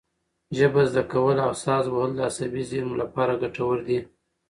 ژبه زده کول او ساز وهل د عصبي زېرمو لپاره ګټور دي.